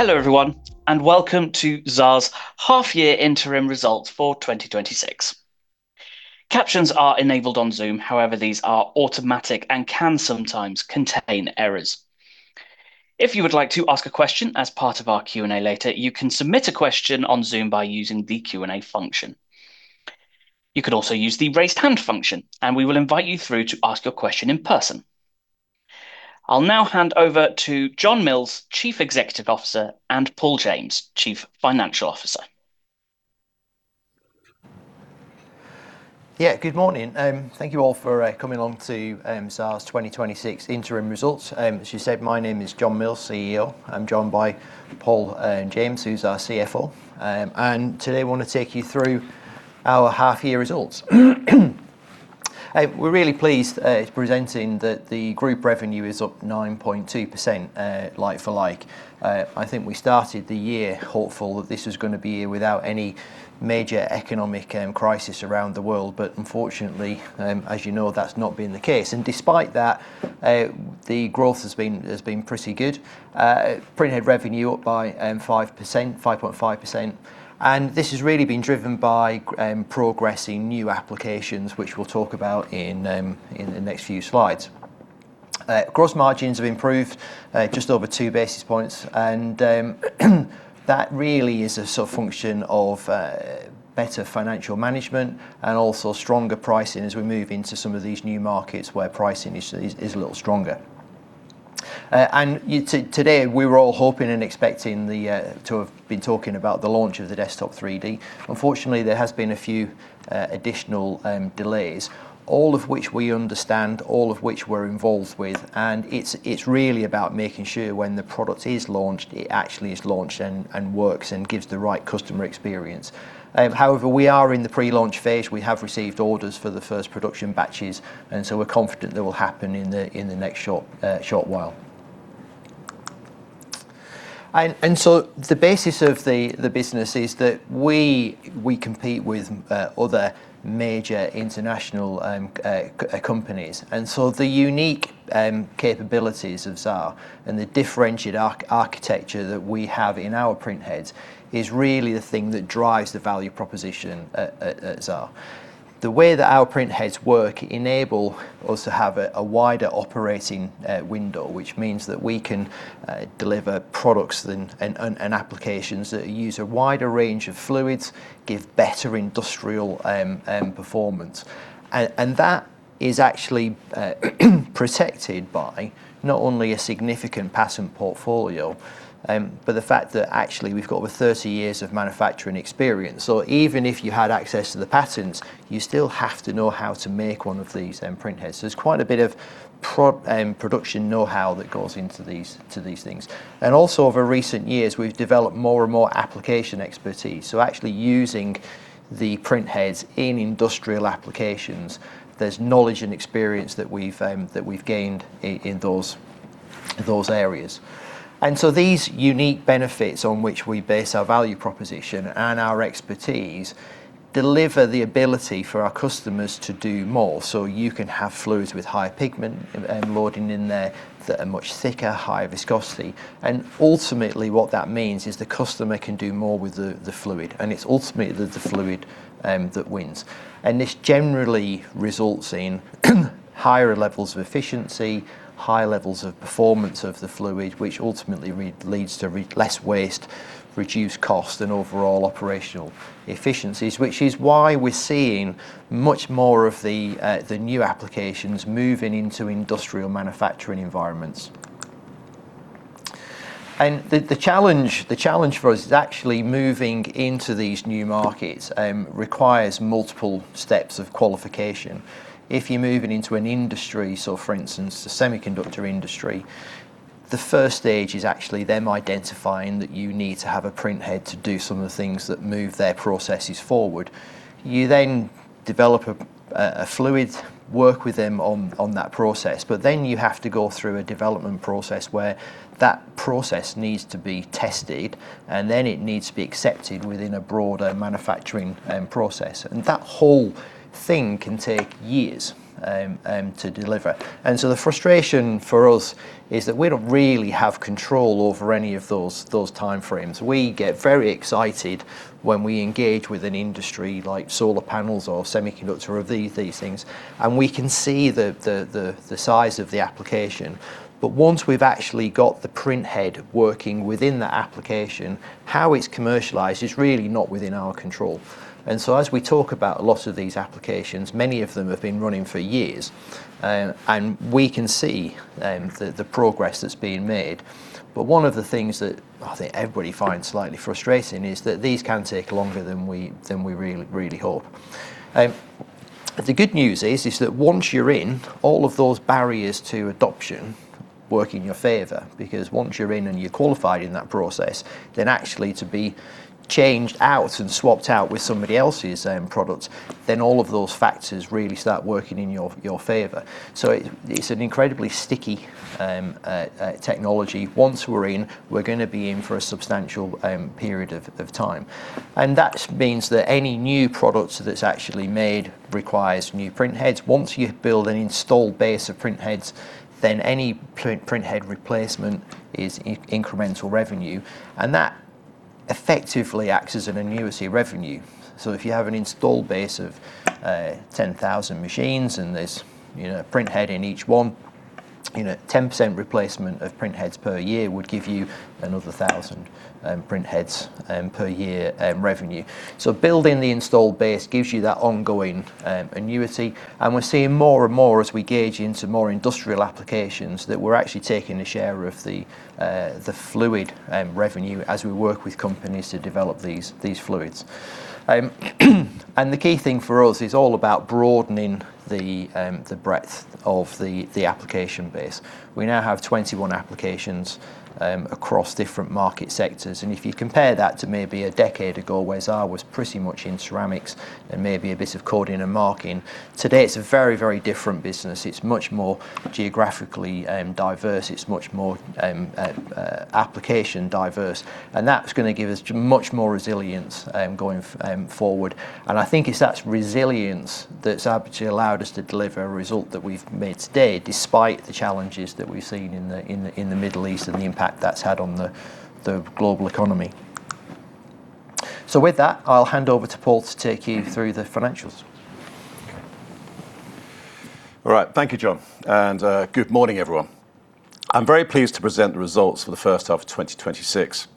Hello everyone, welcome to Xaar's half year interim results for 2026. Captions are enabled on Zoom, however, these are automatic and can sometimes contain errors. If you would like to ask a question as part of our Q&A later, you can submit a question on Zoom by using the Q&A function. You could also use the raise hand function, and we will invite you through to ask your question in person. I'll now hand over to John Mills, Chief Executive Officer, and Paul James, Chief Financial Officer. Yeah, good morning. Thank you all for coming on to Xaar's 2026 interim results. As you said, my name is John Mills, CEO. I'm joined by Paul James, who's our CFO. Today we want to take you through our half year results. We're really pleased presenting that the group revenue is up 9.2% like for like. I think we started the year hopeful that this was going to be a year without any major economic crisis around the world. Unfortunately, as you know, that's not been the case. Despite that, the growth has been pretty good. Printhead revenue up by 5.5%. This has really been driven by progressing new applications, which we'll talk about in the next few slides. Gross margins have improved, just over two basis points. That really is a function of better financial management and also stronger pricing as we move into some of these new markets where pricing is a little stronger. Today, we were all hoping and expecting to have been talking about the launch of the Desktop 3D. Unfortunately, there has been a few additional delays, all of which we understand, all of which we're involved with, and it's really about making sure when the product is launched, it actually is launched and works and gives the right customer experience. However, we are in the pre-launch phase. We have received orders for the first production batches, we're confident that will happen in the next short while. The basis of the business is that we compete with other major international companies. The unique capabilities of Xaar and the differentiated architecture that we have in our printheads is really the thing that drives the value proposition at Xaar. The way that our printheads work enable us to have a wider operating window, which means that we can deliver products and applications that use a wider range of fluids, give better industrial performance. That is actually protected by not only a significant patent portfolio, but the fact that actually we've got over 30 years of manufacturing experience. Even if you had access to the patents, you still have to know how to make one of these printheads. There's quite a bit of production knowhow that goes into these things. Over recent years, we've developed more and more application expertise, so actually using the printheads in industrial applications. There's knowledge and experience that we've gained in those areas. These unique benefits on which we base our value proposition and our expertise deliver the ability for our customers to do more. You can have fluids with high pigment loading in there that are much thicker, higher viscosity. Ultimately what that means is the customer can do more with the fluid, and it's ultimately the fluid that wins. This generally results in higher levels of efficiency, higher levels of performance of the fluid, which ultimately leads to less waste, reduced cost, and overall operational efficiencies, which is why we're seeing much more of the new applications moving into industrial manufacturing environments. The challenge for us is actually moving into these new markets requires multiple steps of qualification. If you're moving into an industry, so for instance, the semiconductor industry, the first stage is actually them identifying that you need to have a printhead to do some of the things that move their processes forward. You then develop a fluid, work with them on that process, you have to go through a development process where that process needs to be tested, and then it needs to be accepted within a broader manufacturing process. That whole thing can take years to deliver. The frustration for us is that we don't really have control over any of those time frames. We get very excited when we engage with an industry like solar panels or semiconductor of these things, and we can see the size of the application. Once we've actually got the printhead working within that application, how it's commercialized is really not within our control. As we talk about a lot of these applications, many of them have been running for years, and we can see the progress that's being made. One of the things that I think everybody finds slightly frustrating is that these can take longer than we really hope. The good news is that once you're in, all of those barriers to adoption work in your favor, because once you're in and you're qualified in that process, then actually to be changed out and swapped out with somebody else's product, then all of those factors really start working in your favor. It's an incredibly sticky technology. Once we're in, we're going to be in for a substantial period of time. That means that any new product that's actually made requires new printheads. Once you build an installed base of printheads, then any printhead replacement is incremental revenue. That Effectively acts as an annuity revenue. If you have an install base of 10,000 machines and there's a printhead in each one, 10% replacement of printheads per year would give you another 1,000 printheads per year revenue. Building the installed base gives you that ongoing annuity, and we're seeing more and more as we gauge into more industrial applications that we're actually taking a share of the fluid revenue as we work with companies to develop these fluids. The key thing for us is all about broadening the breadth of the application base. We now have 21 applications across different market sectors. If you compare that to maybe a decade ago, where Xaar was pretty much in ceramics and maybe a bit of coding and marking, today it is a very different business. It is much more geographically diverse, it is much more application diverse, and that is going to give us much more resilience going forward. I think it is that resilience that has actually allowed us to deliver a result that we have made today, despite the challenges that we have seen in the Middle East and the impact that has had on the global economy. With that, I will hand over to Paul to take you through the financials. All right. Thank you, John, and good morning, everyone. I am very pleased to present the results for the first half of 2026,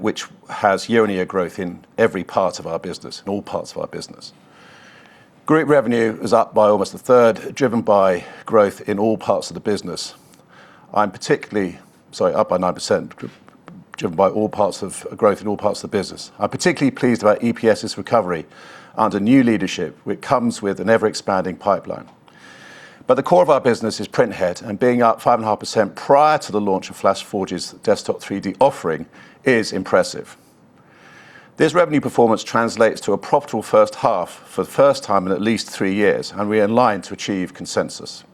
which has year-on-year growth in every part of our business, in all parts of our business. Group revenue is up by almost a third, driven by growth in all parts of the business. Sorry, up by 9%, driven by growth in all parts of the business. I am particularly pleased about EPS's recovery under new leadership, which comes with an ever-expanding pipeline. The core of our business is Printhead, and being up 5.5% prior to the launch of Flashforge's Desktop 3D offering is impressive. This revenue performance translates to a profitable first half for the first time in at least three years, and we are in line to achieve consensus.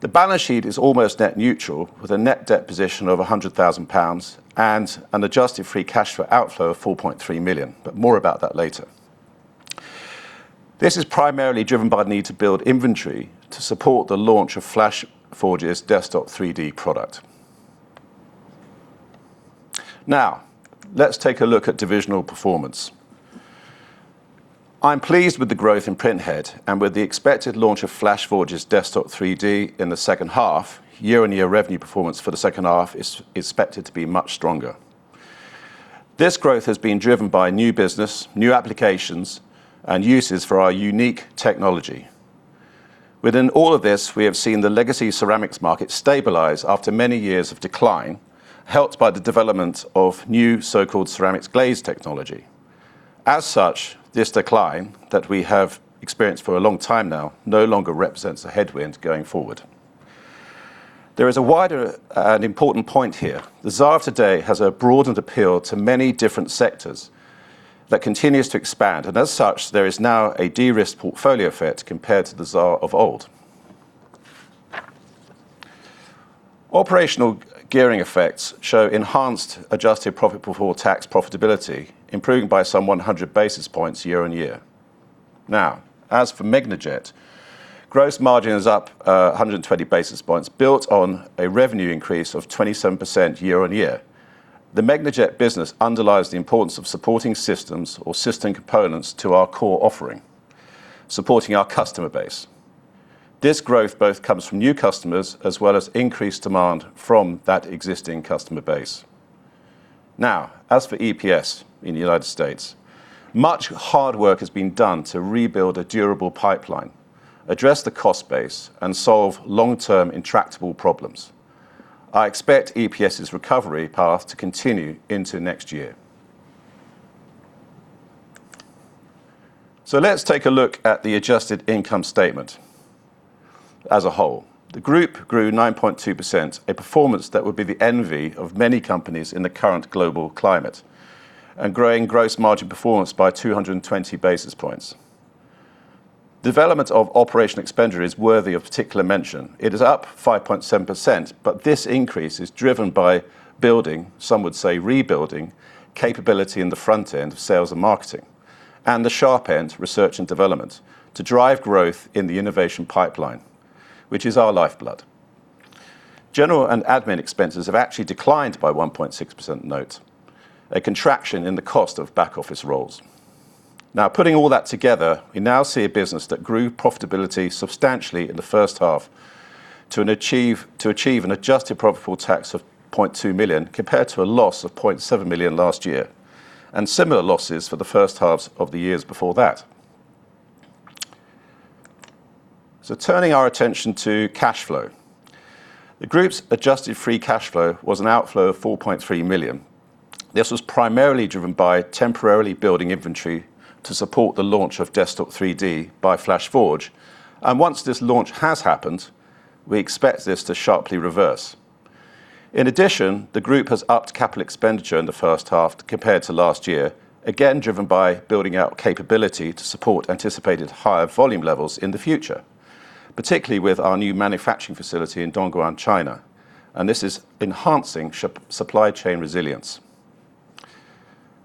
The balance sheet is almost net neutral, with a net debt position of 100,000 pounds and an adjusted free cash flow outflow of 4.3 million, more about that later. This is primarily driven by the need to build inventory to support the launch of Flashforge's Desktop 3D product. Let us take a look at divisional performance. I am pleased with the growth in Printhead and with the expected launch of Flashforge's Desktop 3D in the second half. Year-on-year revenue performance for the second half is expected to be much stronger. This growth has been driven by new business, new applications, and uses for our unique technology. Within all of this, we have seen the legacy ceramics market stabilize after many years of decline, helped by the development of new so-called ceramics glaze technology. As such, this decline that we have experienced for a long time now no longer represents a headwind going forward. There is a wider and important point here. The Xaar today has a broadened appeal to many different sectors that continues to expand. As such, there is now a de-risked portfolio effect compared to the Xaar of old. Operational gearing effects show enhanced adjusted profit before tax profitability, improving by some 100 basis points year-on-year. As for Megnajet, gross margin is up 120 basis points, built on a revenue increase of 27% year-on-year. The Megnajet business underlies the importance of supporting systems or system components to our core offering, supporting our customer base. This growth both comes from new customers as well as increased demand from that existing customer base. As for EPS in the United States, much hard work has been done to rebuild a durable pipeline, address the cost base, and solve long-term intractable problems. I expect EPS's recovery path to continue into next year. Let's take a look at the adjusted income statement as a whole. The group grew 9.2%, a performance that would be the envy of many companies in the current global climate, and growing gross margin performance by 220 basis points. Development of operational expenditure is worthy of particular mention. It is up 5.7%, but this increase is driven by building, some would say rebuilding, capability in the front end of sales and marketing, and the sharp end, research and development, to drive growth in the innovation pipeline, which is our lifeblood. General and admin expenses have actually declined by 1.6% note, a contraction in the cost of back office roles. Putting all that together, we now see a business that grew profitability substantially in the first half to achieve an adjusted profit for tax of 0.2 million, compared to a loss of 0.7 million last year, and similar losses for the first halves of the years before that. Turning our attention to cash flow. The group's adjusted free cash flow was an outflow of 4.3 million. This was primarily driven by temporarily building inventory to support the launch of Desktop 3D by Flashforge. Once this launch has happened, we expect this to sharply reverse. In addition, the group has upped capital expenditure in the first half compared to last year, again, driven by building out capability to support anticipated higher volume levels in the future, particularly with our new manufacturing facility in Dongguan, China, and this is enhancing supply chain resilience.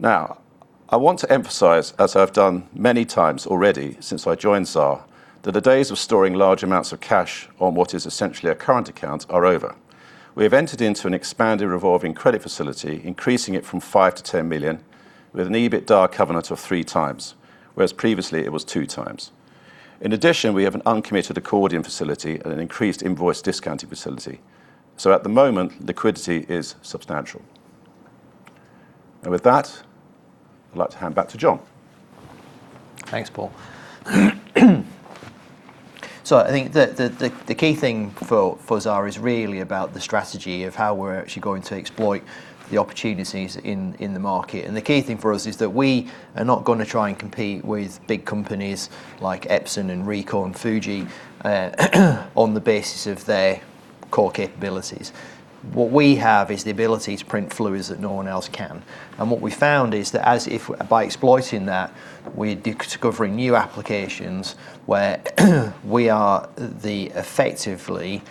I want to emphasize, as I've done many times already since I joined Xaar, that the days of storing large amounts of cash on what is essentially a current account are over. We have entered into an expanded revolving credit facility, increasing it from 5 million to 10 million, with an EBITDA covenant of three times, whereas previously it was two times. In addition, we have an uncommitted accordion facility and an increased invoice discounting facility. At the moment, liquidity is substantial. With that, I'd like to hand back to John. Thanks, Paul. I think the key thing for Xaar is really about the strategy of how we're actually going to exploit the opportunities in the market. The key thing for us is that we are not going to try and compete with big companies like Epson and Ricoh and Fuji on the basis of their core capabilities. What we have is the ability to print fluids that no one else can. What we found is that by exploiting that, we're discovering new applications where we are the effectively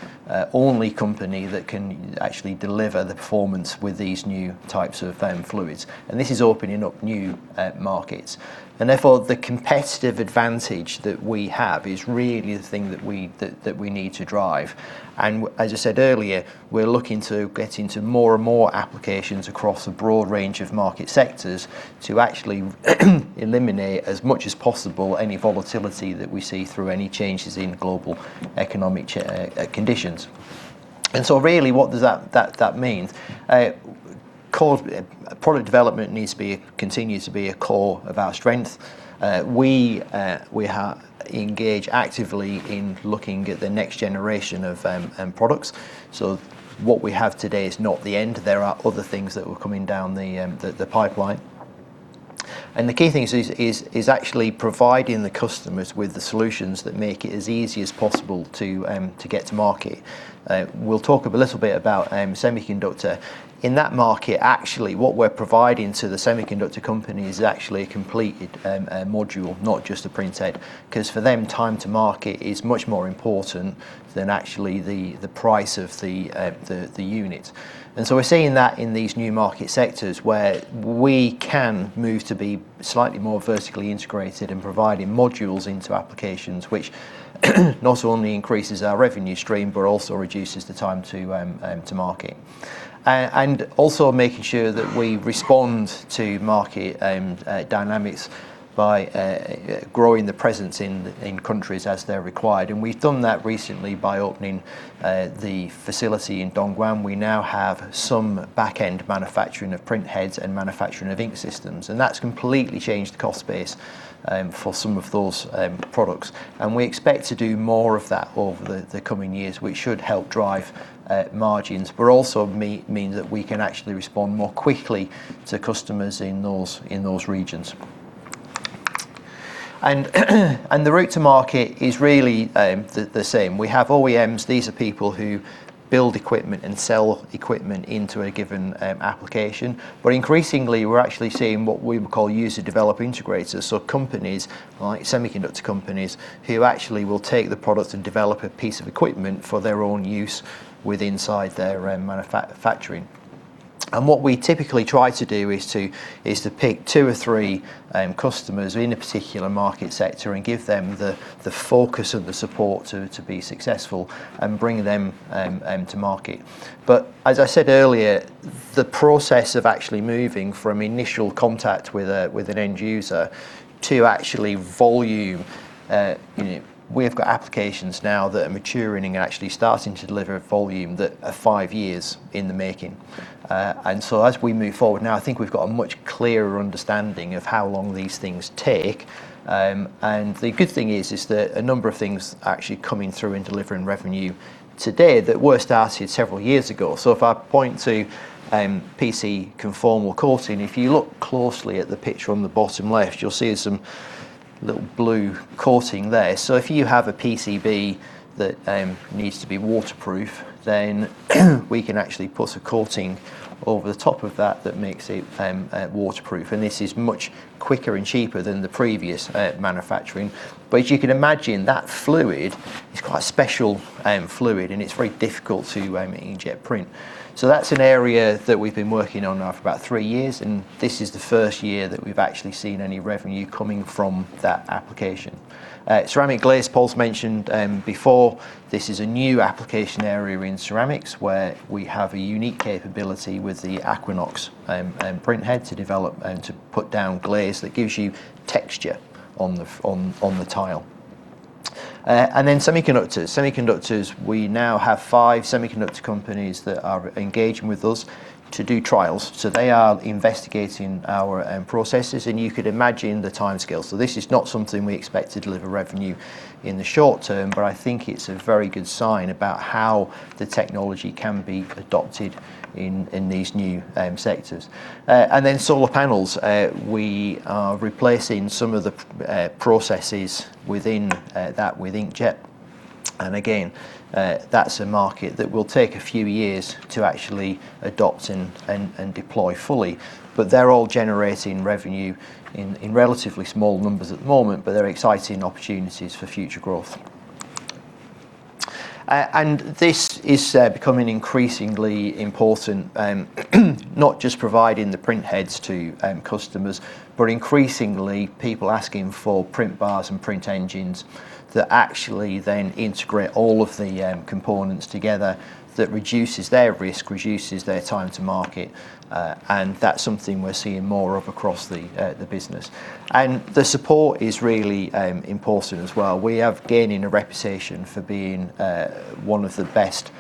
only company that can actually deliver the performance with these new types of fluids. This is opening up new markets. Therefore, the competitive advantage that we have is really the thing that we need to drive. As I said earlier, we're looking to get into more and more applications across a broad range of market sectors to actually eliminate, as much as possible, any volatility that we see through any changes in global economic conditions. Really, what does that mean? Product development needs to continue to be a core of our strength. We engage actively in looking at the next generation of products. What we have today is not the end. There are other things that are coming down the pipeline. The key thing is actually providing the customers with the solutions that make it as easy as possible to get to market. We'll talk a little bit about semiconductor. In that market, actually, what we're providing to the semiconductor company is actually a completed module, not just a printhead, because for them, time to market is much more important than actually the price of the unit. We're seeing that in these new market sectors where we can move to be slightly more vertically integrated in providing modules into applications, which not only increases our revenue stream, but also reduces the time to market. Also making sure that we respond to market dynamics by growing the presence in countries as they're required. We've done that recently by opening the facility in Dongguan. We now have some back-end manufacturing of printheads and manufacturing of ink systems, and that's completely changed the cost base for some of those products. We expect to do more of that over the coming years, which should help drive margins, but also means that we can actually respond more quickly to customers in those regions. The route to market is really the same. We have OEMs. These are people who build equipment and sell equipment into a given application. Increasingly, we're actually seeing what we would call user-developer integrators. Companies, like semiconductor companies, who actually will take the product and develop a piece of equipment for their own use with inside their manufacturing. What we typically try to do is to pick two or three customers in a particular market sector and give them the focus and the support to be successful and bring them to market. As I said earlier, the process of actually moving from initial contact with an end user to actually volume, we've got applications now that are maturing and actually starting to deliver volume that are five years in the making. As we move forward now, I think we've got a much clearer understanding of how long these things take. The good thing is that a number of things are actually coming through and delivering revenue today that were started several years ago. If I point to PCB conformal coating, if you look closely at the picture on the bottom left, you'll see some little blue coating there. If you have a PCB that needs to be waterproof, then we can actually put a coating over the top of that that makes it waterproof, and this is much quicker and cheaper than the previous manufacturing. As you can imagine, that fluid is quite a special fluid, and it's very difficult to inkjet print. That's an area that we've been working on now for about three years, and this is the first year that we've actually seen any revenue coming from that application. Ceramic glaze, Paul's mentioned before, this is a new application area in ceramics where we have a unique capability with the Aquinox printhead to develop and to put down glaze that gives you texture on the tile. Semiconductors. Semiconductors, we now have five semiconductor companies that are engaging with us to do trials. They are investigating our processes, and you could imagine the timescale. This is not something we expect to deliver revenue in the short term, but I think it's a very good sign about how the technology can be adopted in these new sectors. Solar panels. We are replacing some of the processes within that with inkjet, and again, that's a market that will take a few years to actually adopt and deploy fully. They're all generating revenue in relatively small numbers at the moment, but they're exciting opportunities for future growth. This is becoming increasingly important, not just providing the printheads to customers, but increasingly people asking for print bars and print engines that actually then integrate all of the components together. That reduces their risk, reduces their time to market, and that's something we're seeing more of across the business. The support is really important as well. We are gaining a reputation for being one of the best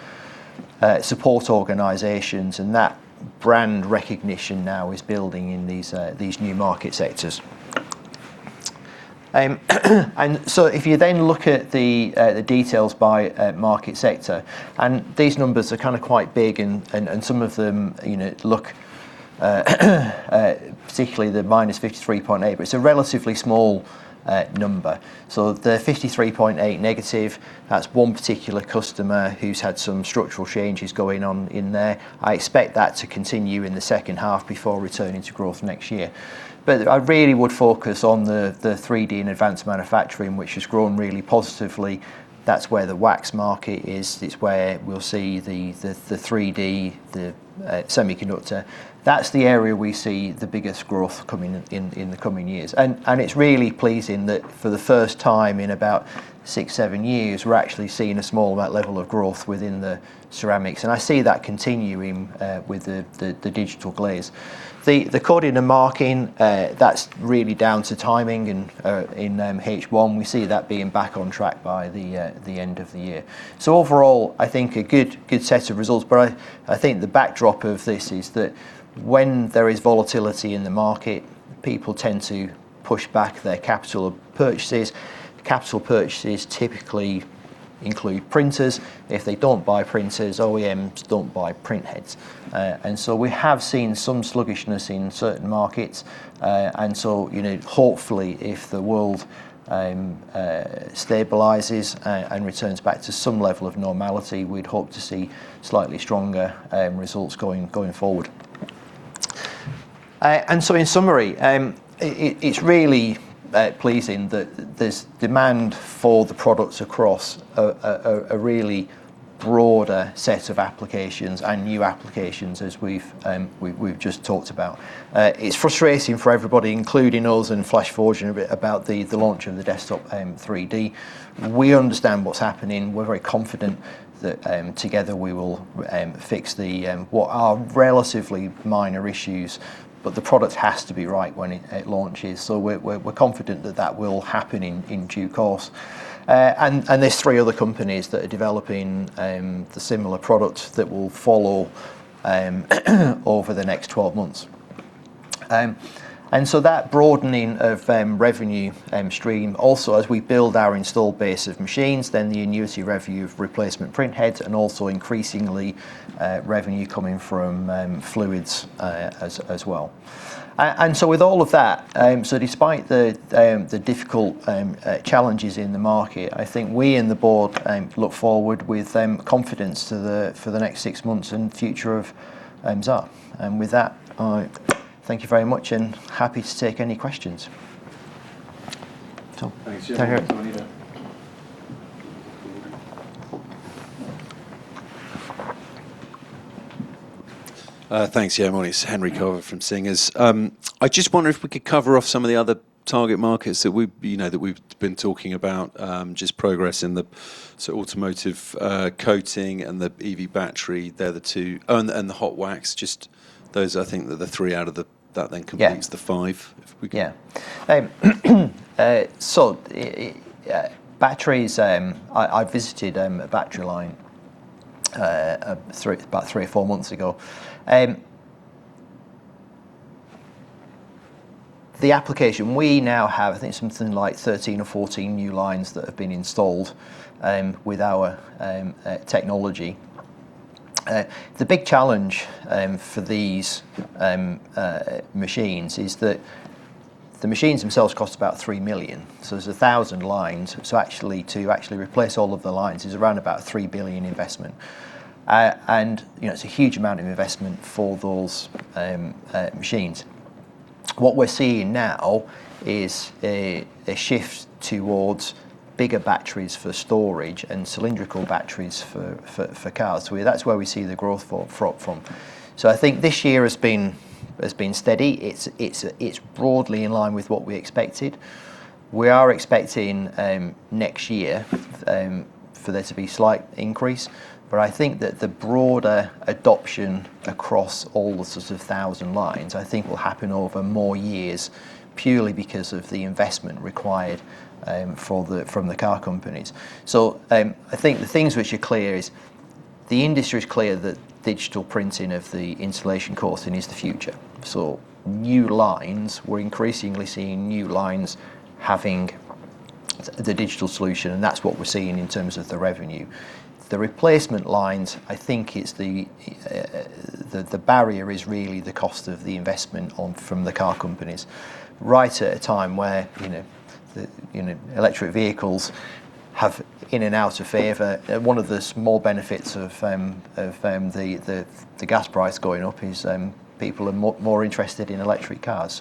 support organizations, and that brand recognition now is building in these new market sectors. If you then look at the details by market sector, these numbers are kind of quite big and some of them look, particularly the -53.8, but it's a relatively small number. The 53.8-, that's one particular customer who's had some structural changes going on in there. I expect that to continue in the second half before returning to growth next year. I really would focus on the 3D and advanced manufacturing, which has grown really positively. That's where the wax market is. It's where we'll see the 3D, the semiconductor. That's the area we see the biggest growth coming in the coming years. It's really pleasing that for the first time in about six, seven years, we're actually seeing a small level of growth within the ceramics, and I see that continuing with the digital glaze. The coding and marking, that's really down to timing in H1. We see that being back on track by the end of the year. Overall, I think a good set of results. I think the backdrop of this is that when there is volatility in the market, people tend to push back their capital purchases. Capital purchases typically include printers. If they don't buy printers, OEMs don't buy printheads. We have seen some sluggishness in certain markets. Hopefully, if the world stabilizes and returns back to some level of normality, we'd hope to see slightly stronger results going forward. In summary, it's really pleasing that there's demand for the products across a really broader set of applications and new applications as we've just talked about. It's frustrating for everybody, including us and Flashforge, and a bit about the launch of the Desktop 3D. We understand what's happening. We're very confident that together we will fix what are relatively minor issues, but the product has to be right when it launches. We're confident that that will happen in due course. There are three other companies that are developing the similar product that will follow over the next 12 months. That broadening of revenue stream also as we build our installed base of machines, then the annuity revenue of replacement printheads and also increasingly revenue coming from fluids as well. With all of that, despite the difficult challenges in the market, I think we in the board look forward with confidence for the next six months and the future of Xaar. With that, I thank you very much and happy to take any questions. [Tom]. Thanks. Yeah. There you go. Thanks. Morning. It's Henry Carver from Singers. I just wonder if we could cover off some of the other target markets that we've been talking about, just progress in the automotive coating and the EV battery. They're the two. Oh, and the hot wax. Just those, I think, are the three. Yeah The five, if we can. Batteries, I visited a battery line about three or four months ago. The application, we now have, I think, something like 13 or 14 new lines that have been installed with our technology. The big challenge for these machines is that the machines themselves cost about 3 million. There's 1,000 lines. To actually replace all of the lines is around about a 3 billion investment. It's a huge amount of investment for those machines. What we're seeing now is a shift towards bigger batteries for storage and cylindrical batteries for cars. That's where we see the growth from. I think this year has been steady. It's broadly in line with what we expected. We are expecting next year for there to be slight increase. I think that the broader adoption across all the sorts of 1,000 lines, I think will happen over more years purely because of the investment required from the car companies. I think the things which are clear is the industry is clear that digital printing of the insulation coating is the future. New lines, we're increasingly seeing new lines having the digital solution, and that's what we're seeing in terms of the revenue. The replacement lines, I think the barrier is really the cost of the investment from the car companies right at a time where electric vehicles Have in and out of favor. One of the small benefits of the gas price going up is people are more interested in electric cars.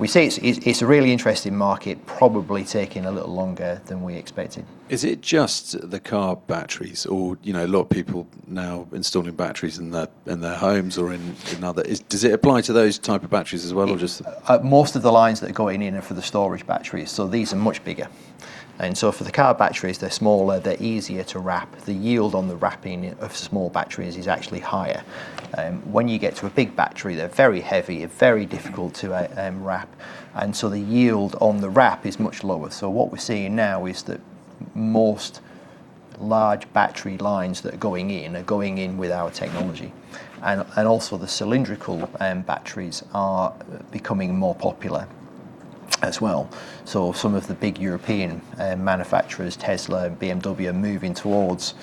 We see it's a really interesting market, probably taking a little longer than we expected. Is it just the car batteries or a lot of people now installing batteries in their homes? Does it apply to those type of batteries as well, or just? Most of the lines that are going in are for the storage batteries, so these are much bigger. For the car batteries, they're smaller, they're easier to wrap. The yield on the wrapping of small batteries is actually higher. When you get to a big battery, they're very heavy and very difficult to wrap, and so the yield on the wrap is much lower. What we're seeing now is that most large battery lines that are going in are going in with our technology. Also the cylindrical batteries are becoming more popular as well. Some of the big European manufacturers, Tesla and BMW, are moving towards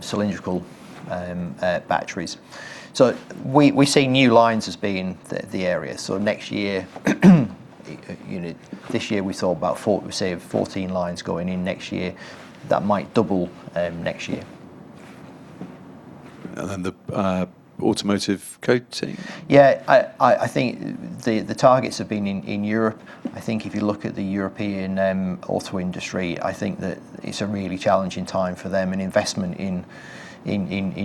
cylindrical batteries. We see new lines as being the area. This year we saw about 14 lines going in next year. That might double next year. The automotive coating? I think the targets have been in Europe. I think if you look at the European auto industry, I think that it's a really challenging time for them, and investment in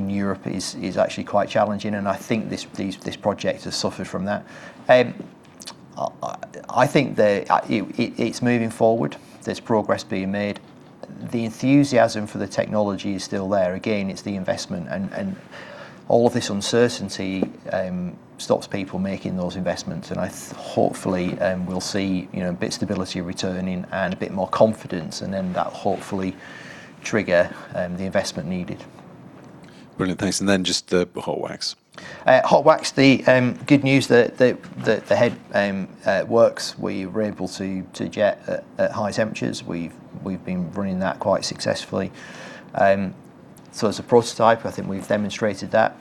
Europe is actually quite challenging, and I think this project has suffered from that. I think that it's moving forward. There's progress being made. The enthusiasm for the technology is still there. Again, it's the investment, and all of this uncertainty stops people making those investments, and hopefully we'll see a bit of stability returning and a bit more confidence, and then that'll hopefully trigger the investment needed. Brilliant. Thanks. Then just the hot wax. Hot wax. The good news that the head works, we were able to jet at high temperatures. We've been running that quite successfully. As a prototype, I think we've demonstrated that.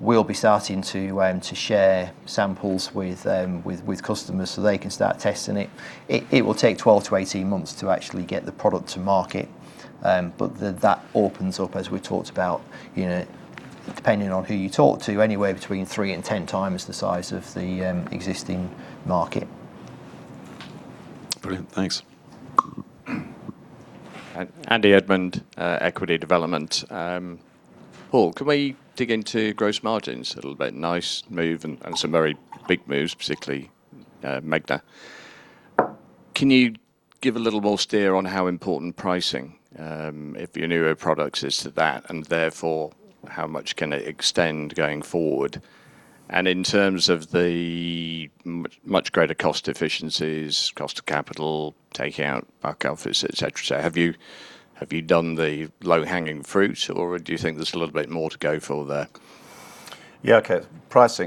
We'll be starting to share samples with customers so they can start testing it. It will take 12-18 months to actually get the product to market. That opens up, as we talked about, depending on who you talk to, anywhere between three and 10 times the size of the existing market. Brilliant. Thanks. Andy Edmond, Equity Development. Paul, can we dig into gross margins a little bit? Nice move and some very big moves, particularly Megnajet. Can you give a little more steer on how important pricing, if your newer products is to that, and therefore, how much can it extend going forward? In terms of the much greater cost efficiencies, cost of capital, taking out back office, et cetera. Have you done the low-hanging fruit, or do you think there's a little bit more to go for there? Yeah, okay.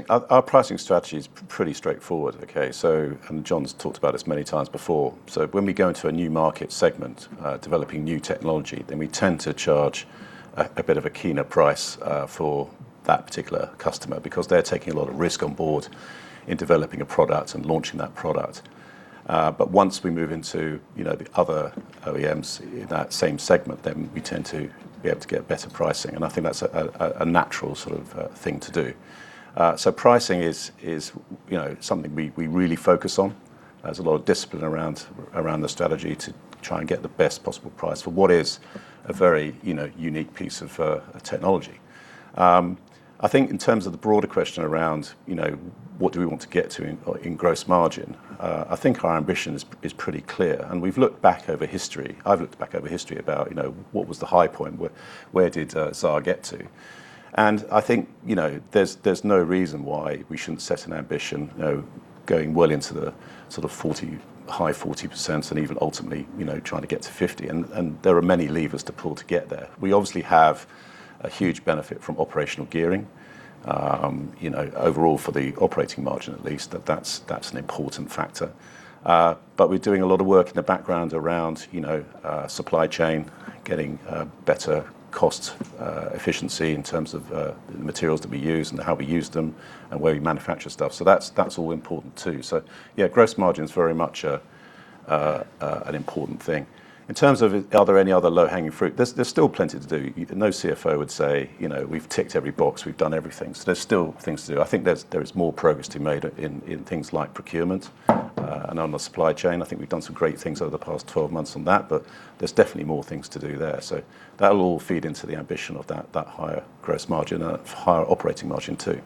Our pricing strategy is pretty straightforward, okay. John's talked about this many times before. When we go into a new market segment, developing new technology, then we tend to charge a bit of a keener price for that particular customer because they're taking a lot of risk on board in developing a product and launching that product. Once we move into the other OEMs in that same segment, then we tend to be able to get better pricing, and I think that's a natural sort of thing to do. Pricing is something we really focus on. There's a lot of discipline around the strategy to try and get the best possible price for what is a very unique piece of technology. I think in terms of the broader question around what do we want to get to in gross margin, I think our ambition is pretty clear, and we've looked back over history. I've looked back over history about what was the high point, where did Xaar get to? I think there's no reason why we shouldn't set an ambition going well into the sort of high 40% and even ultimately trying to get to 50%. There are many levers to pull to get there. We obviously have a huge benefit from operational gearing. Overall for the operating margin at least, that's an important factor. We're doing a lot of work in the background around supply chain, getting better cost efficiency in terms of the materials that we use and how we use them, and where we manufacture stuff. That's all important, too. Yeah, gross margin's very much an important thing. In terms of are there any other low-hanging fruit, there's still plenty to do. No CFO would say, "We've ticked every box. We've done everything." There's still things to do. I think there is more progress to be made in things like procurement and on the supply chain. I think we've done some great things over the past 12 months on that, but there's definitely more things to do there. That will all feed into the ambition of that higher gross margin and a higher operating margin, too.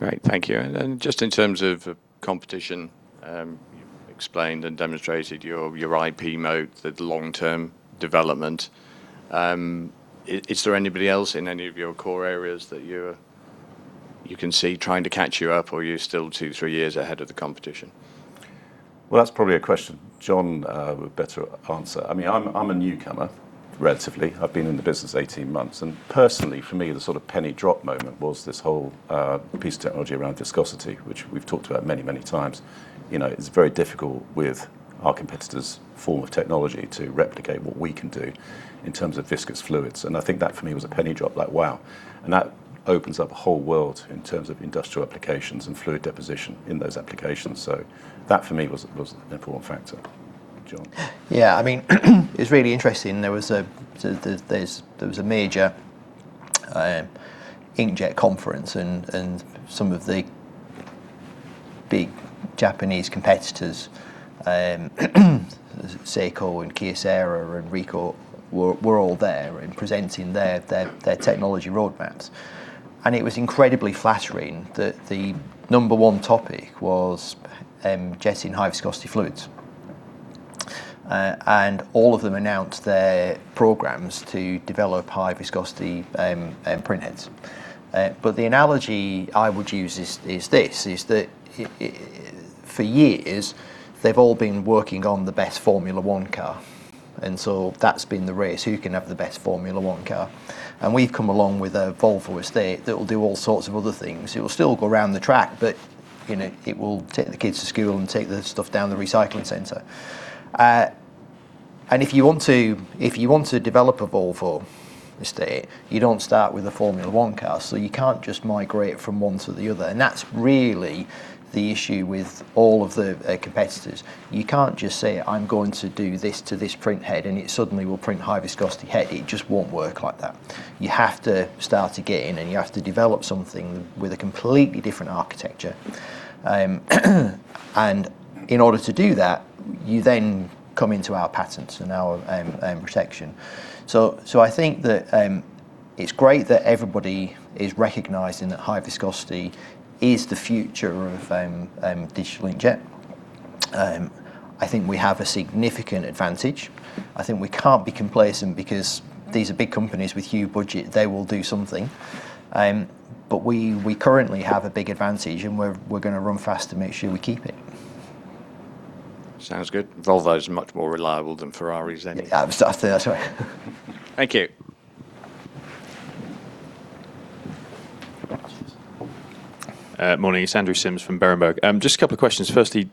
Great. Thank you. Just in terms of competition, you've explained and demonstrated your IP mode, the long-term development. Is there anybody else in any of your core areas that you can see trying to catch you up, or are you still two, three years ahead of the competition? That's probably a question John would better answer. I'm a newcomer, relatively. I've been in the business 18 months, personally, for me, the sort of penny drop moment was this whole piece of technology around viscosity, which we've talked about many, many times. It's very difficult with our competitor's form of technology to replicate what we can do in terms of viscous fluids, I think that for me was a penny drop, like wow. That opens up a whole world in terms of industrial applications and fluid deposition in those applications. That, for me, was an important factor. John? It's really interesting. There was a major inkjet conference, some of the big Japanese competitors, Seiko and Kyocera and Ricoh, were all there and presenting their technology roadmaps. It was incredibly flattering that the number one topic was jetting high-viscosity fluids. All of them announced their programs to develop high-viscosity printheads. The analogy I would use is this, is that for years, they've all been working on the best Formula 1 car. That's been the race, who can have the best Formula 1 car? We've come along with a Volvo Estate that will do all sorts of other things. It will still go around the track, but it will take the kids to school and take the stuff down the recycling center. If you want to develop a Volvo Estate, you don't start with a Formula 1 car, you can't just migrate from one to the other. That's really the issue with all of the competitors. You can't just say, "I'm going to do this to this printhead," it suddenly will print high-viscosity head. It just won't work like that. You have to start again, you have to develop something with a completely different architecture. In order to do that, you then come into our patents and our protection. I think that it's great that everybody is recognizing that high viscosity is the future of digital inkjet. I think we have a significant advantage. I think we can't be complacent because these are big companies with huge budget, they will do something. We currently have a big advantage, and we're going to run fast to make sure we keep it. Sounds good. Volvo's much more reliable than Ferrari, isn't it? That's right. Thank you. Morning. It's Andrew Simms from Berenberg. Just a couple of questions. Firstly,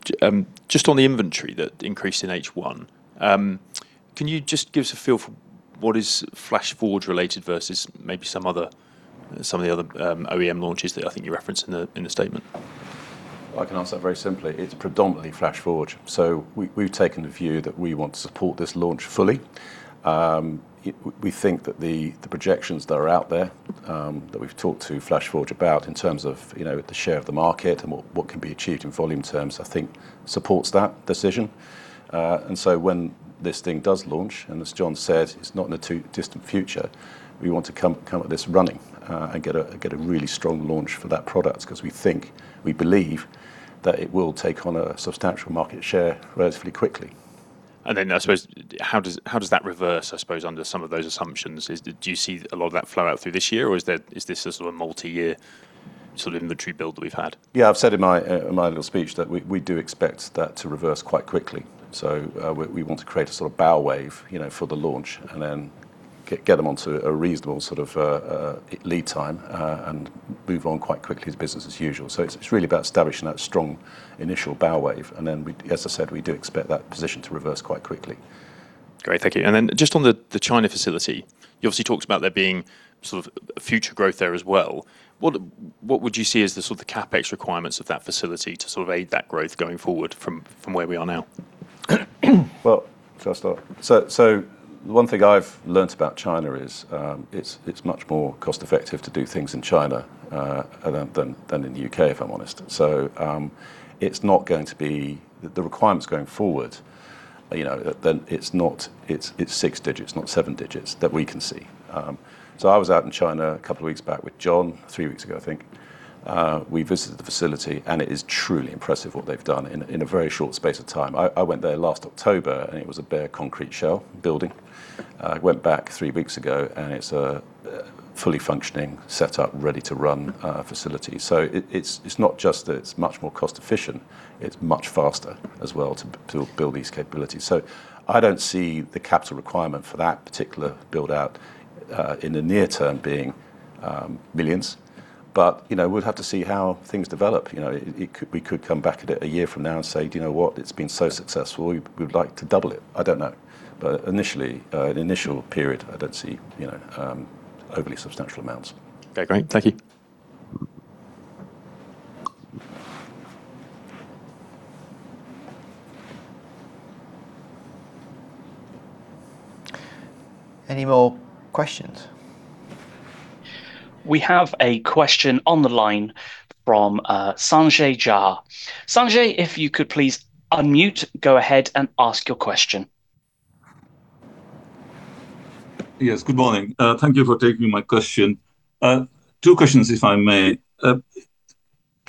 just on the inventory that increased in H1, can you just give us a feel for what is Flashforge related versus maybe some of the other OEM launches that I think you referenced in the statement? I can answer that very simply. It's predominantly Flashforge. We've taken the view that we want to support this launch fully. We think that the projections that are out there, that we've talked to Flashforge about in terms of the share of the market and what can be achieved in volume terms, I think supports that decision. When this thing does launch, and as John said, it's not in the too distant future, we want to come at this running and get a really strong launch for that product because we think, we believe, that it will take on a substantial market share relatively quickly. I suppose, how does that reverse, I suppose, under some of those assumptions? Do you see a lot of that flow out through this year, or is this a sort of multi-year inventory build that we've had? Yeah, I've said in my little speech that we do expect that to reverse quite quickly. We want to create a sort of bow wave for the launch and then get them onto a reasonable lead time, and move on quite quickly as business as usual. It's really about establishing that strong initial bow wave. As I said, we do expect that position to reverse quite quickly. Great. Thank you. Just on the China facility, you obviously talked about there being future growth there as well. What would you see as the sort of the CapEx requirements of that facility to aid that growth going forward from where we are now? Well, shall I start? One thing I've learned about China is, it's much more cost-effective to do things in China than in the U.K., if I'm honest. The requirements going forward, it's six digits, not seven digits that we can see. I was out in China a couple of weeks back with John, three weeks ago, I think. We visited the facility, and it is truly impressive what they've done in a very short space of time. I went there last October, and it was a bare concrete shell building. I went back three weeks ago, and it's a fully functioning, set-up, ready-to-run facility. It's not just that it's much more cost-efficient, it's much faster as well to build these capabilities. I don't see the capital requirement for that particular build-out in the near term being millions. We'll have to see how things develop. We could come back a year from now and say, "Do you know what? It's been so successful, we would like to double it." I don't know. Initially, an initial period, I don't see overly substantial amounts. Okay, great. Thank you. Any more questions? We have a question on the line from Sanjay Jha. Sanjay, if you could please unmute, go ahead and ask your question. Yes, good morning. Thank you for taking my question. Two questions, if I may. Do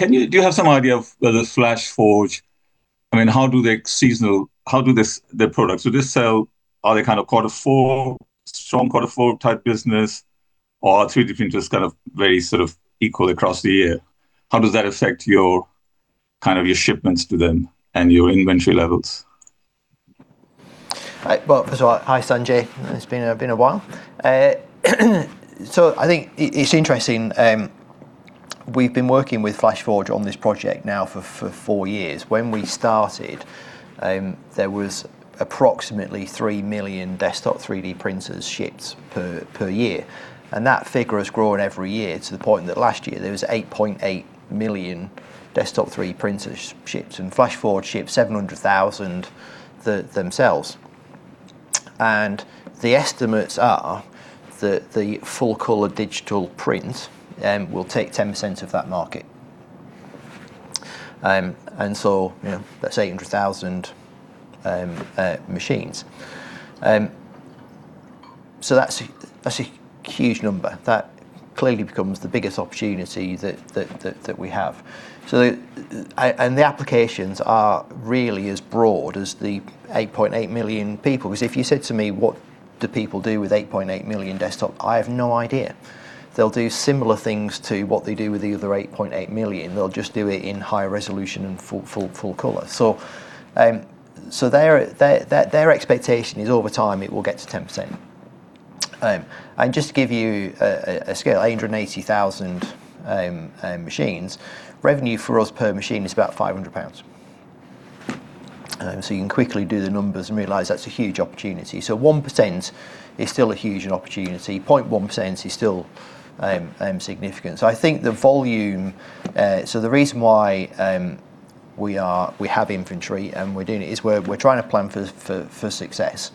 you have some idea of whether Flashforge How do their products sell, are they kind of strong quarter four type business? Or are just kind of very equal across the year? How does that affect your shipments to them and your inventory levels? Well, first of all, hi, Sanjay. It's been a while. I think it's interesting We've been working with Flashforge on this project now for four years. When we started, there was approximately 3 million Desktop 3D printers shipped per year, and that figure has grown every year to the point that last year there was 8.8 million Desktop 3D printers shipped, and Flashforge shipped 700,000 themselves. The estimates are that the full-color digital print will take 10% of that market, that's 800,000 machines. That's a huge number. That clearly becomes the biggest opportunity that we have. The applications are really as broad as the 8.8 million people, because if you said to me, "What do people do with 8.8 million desktop?" I have no idea. They'll do similar things to what they do with the other 8.8 million. They'll just do it in high resolution and full color. Their expectation is, over time, it will get to 10%. Just to give you a scale, 880,000 machines, revenue for us per machine is about 500 pounds. You can quickly do the numbers and realize that's a huge opportunity. 1% is still a huge opportunity. 0.1% is still significant. The reason why we have inventory and we're doing it is we're trying to plan for success.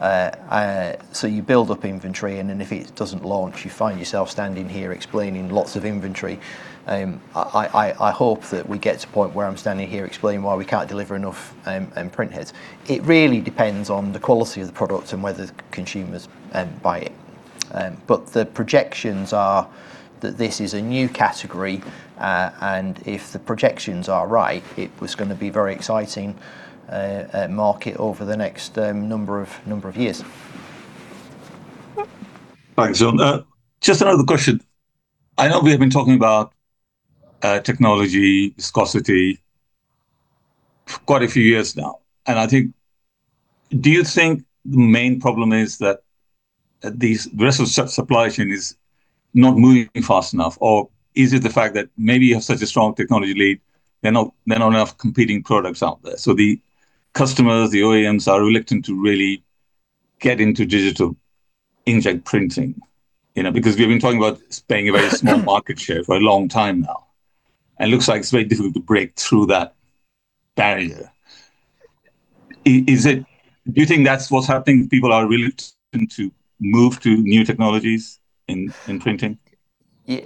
You build up inventory, and then if it doesn't launch, you find yourself standing here explaining lots of inventory. I hope that we get to a point where I'm standing here explaining why we can't deliver enough printheads. It really depends on the quality of the product and whether consumers buy it. The projections are that this is a new category, if the projections are right, it was going to be a very exciting market over the next number of years. Thanks, John. Just another question. I know we have been talking about technology viscosity for quite a few years now, do you think the main problem is that this supply chain is not moving fast enough? Is it the fact that maybe you have such a strong technology lead, there are not enough competing products out there, the customers, the OEMs, are reluctant to really get into digital inkjet printing? We've been talking about staying a very small market share for a long time now, it looks like it's very difficult to break through that barrier. Do you think that's what's happening? People are reluctant to move to new technologies in printing? Yeah.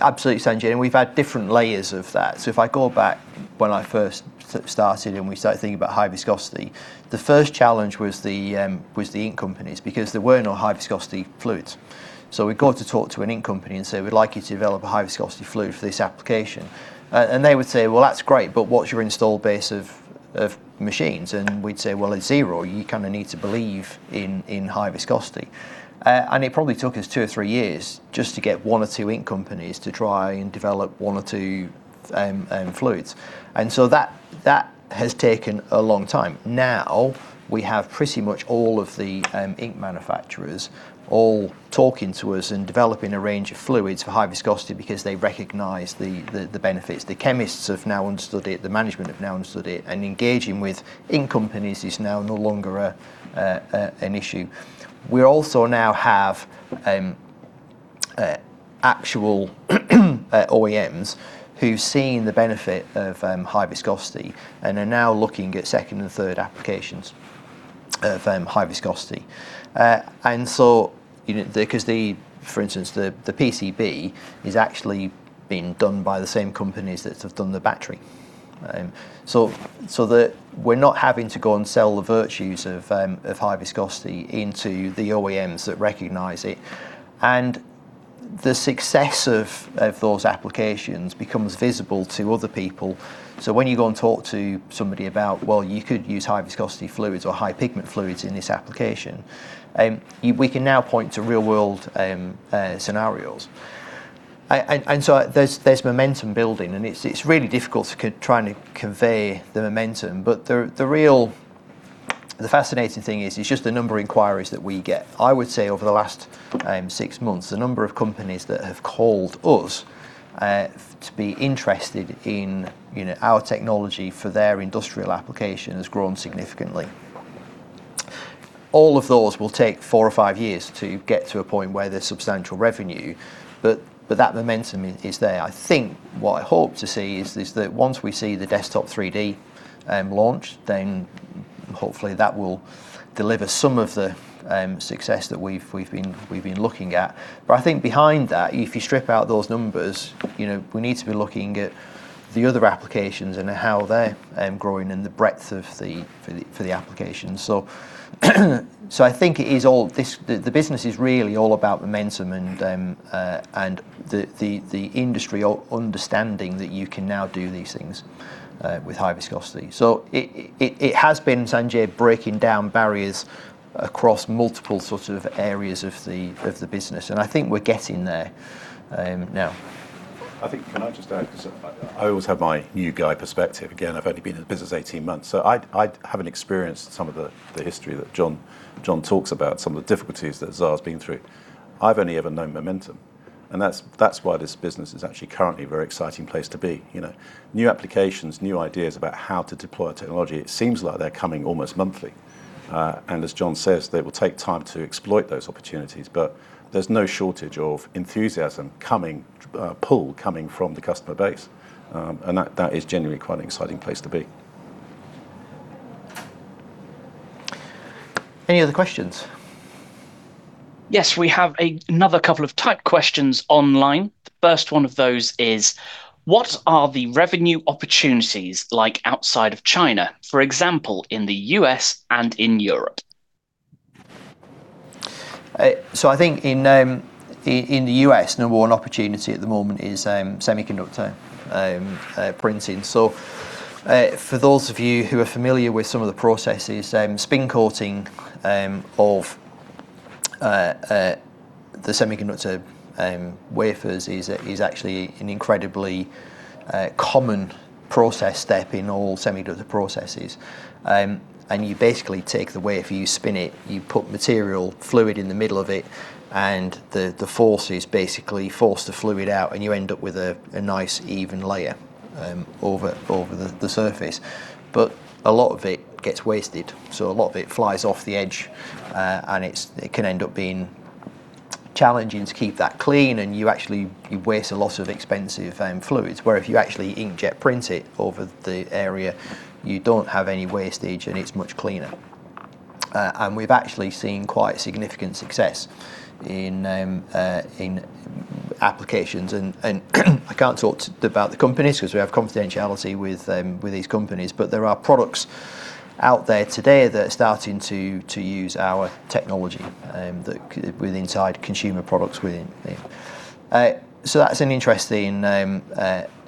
Absolutely, Sanjay, we've had different layers of that. If I go back when I first started we started thinking about high viscosity, the first challenge was the ink companies, there were no high-viscosity fluids. We'd go to talk to an ink company and say, "We'd like you to develop a high-viscosity fluid for this application." They would say, "Well, that's great, what's your install base of machines?" We'd say, "Well, it's zero. You kind of need to believe in high viscosity." It probably took us two or three years just to get one or two ink companies to try and develop one or two fluids. That has taken a long time. We have pretty much all of the ink manufacturers all talking to us and developing a range of fluids for high viscosity because they recognize the benefits. The chemists have now understood it, the management have now understood it. Engaging with ink companies is now no longer an issue. We also now have actual OEMs who've seen the benefit of high viscosity and are now looking at second and third applications of high viscosity. For instance, the PCB is actually being done by the same companies that have done the battery. We're not having to go and sell the virtues of high viscosity into the OEMs that recognize it. The success of those applications becomes visible to other people. When you go and talk to somebody about, "Well, you could use high-viscosity fluids or high-pigment fluids in this application," we can now point to real-world scenarios. There's momentum building, and it's really difficult trying to convey the momentum. The fascinating thing is it's just the number of inquiries that we get. I would say, over the last six months, the number of companies that have called us to be interested in our technology for their industrial application has grown significantly. All of those will take four or five years to get to a point where there's substantial revenue, but that momentum is there. I think what I hope to see is that once we see the Desktop 3D launch, then hopefully that will deliver some of the success that we've been looking at. I think behind that, if you strip out those numbers, we need to be looking at the other applications and how they're growing and the breadth for the applications. I think the business is really all about momentum and the industry understanding that you can now do these things with high viscosity. It has been, Sanjay, breaking down barriers across multiple sorts of areas of the business, and I think we're getting there now. I think, can I just add, because I always have my new guy perspective. Again, I've only been in the business 18 months, so I haven't experienced some of the history that John talks about, some of the difficulties that Xaar's been through. I've only ever known momentum. That's why this business is actually currently a very exciting place to be. New applications, new ideas about how to deploy technology, it seems like they're coming almost monthly. As John says, they will take time to exploit those opportunities, but there's no shortage of enthusiasm pull coming from the customer base, and that is generally quite an exciting place to be. Any other questions? Yes, we have another couple of typed questions online. The first one of those is: what are the revenue opportunities like outside of China, for example, in the U.S. and in Europe? I think in the U.S., number one opportunity at the moment is semiconductor printing. For those of you who are familiar with some of the processes, spin coating of the semiconductor wafers is actually an incredibly common process step in all semiconductor processes. You basically take the wafer, you spin it, you put material fluid in the middle of it, and the force is basically force the fluid out, and you end up with a nice even layer over the surface. A lot of it gets wasted, so a lot of it flies off the edge, and it can end up being challenging to keep that clean and you actually waste a lot of expensive fluids, where if you actually inkjet print it over the area, you don't have any wastage and it's much cleaner. We've actually seen quite significant success in applications and I can't talk about the companies because we have confidentiality with these companies, but there are products out there today that are starting to use our technology with inside consumer products within it. That's an interesting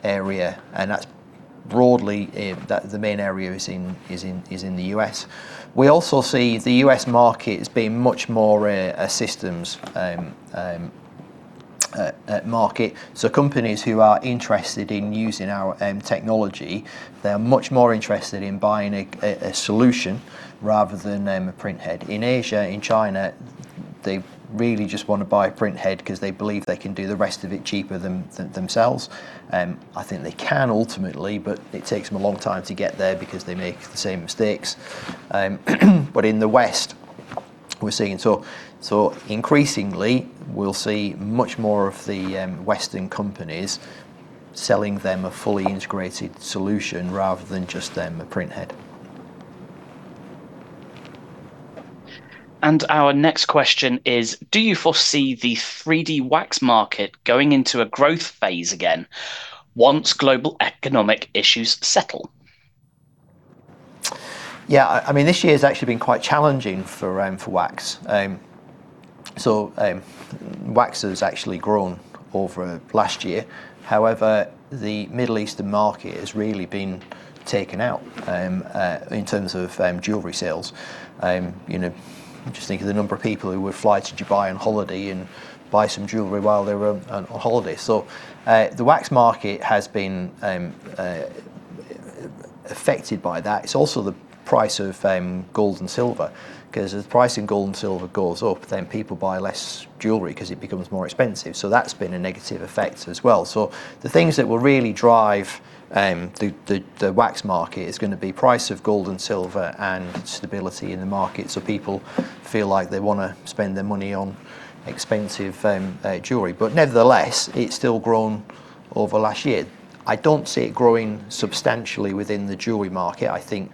area, and that's broadly, the main area is in the U.S. We also see the U.S. market as being much more a systems market. Companies who are interested in using our technology, they are much more interested in buying a solution rather than a printhead. In Asia, in China, they really just want to buy a printhead because they believe they can do the rest of it cheaper themselves. I think they can ultimately, but it takes them a long time to get there because they make the same mistakes. In the West, we're seeing increasingly, we'll see much more of the Western companies selling them a fully integrated solution rather than just them a printhead. Our next question is, do you foresee the 3D wax market going into a growth phase again once global economic issues settle? Yeah, this year's actually been quite challenging for wax. Wax has actually grown over last year. However, the Middle Eastern market has really been taken out, in terms of jewelry sales. Just think of the number of people who would fly to Dubai on holiday and buy some jewelry while they were on holiday. The wax market has been affected by that. It's also the price of gold and silver, because as the price in gold and silver goes up, then people buy less jewelry because it becomes more expensive. That's been a negative effect as well. The things that will really drive the wax market is going to be price of gold and silver and stability in the market so people feel like they want to spend their money on expensive jewelry. Nevertheless, it's still grown over last year. I don't see it growing substantially within the jewelry market, I think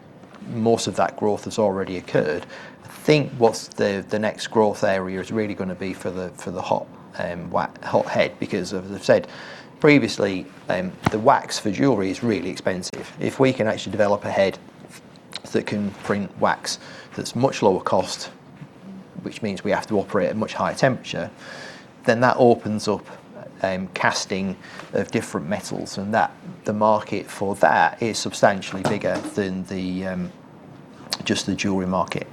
most of that growth has already occurred. I think what the next growth area is really going to be for the hot head, because as I've said previously, the wax for jewelry is really expensive. If we can actually develop a head that can print wax that's much lower cost, which means we have to operate at a much higher temperature, then that opens up casting of different metals and the market for that is substantially bigger than just the jewelry market.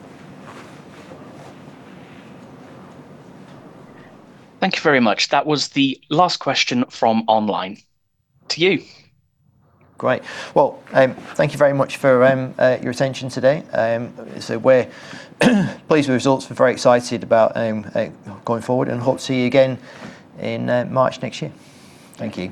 Thank you very much. That was the last question from online. To you. Great. Well, thank you very much for your attention today. We're pleased with the results. We're very excited about going forward, and hope to see you again in March next year. Thank you